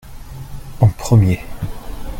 en premier.